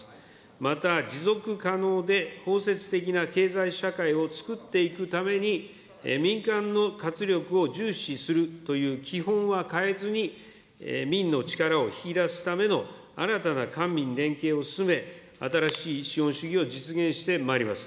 また持続可能で包摂的な経済社会をつくっていくために、民間の活力を重視するという基本は変えずに、民の力を引き出すための、新たな官民連携を進め、新しい資本主義を実現してまいります。